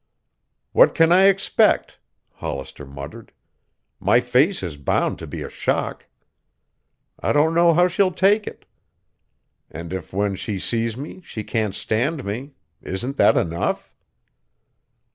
"What can I expect?" Hollister muttered. "My face is bound to be a shock. I don't know how she'll take it. And if when she sees me she can't stand me isn't that enough?"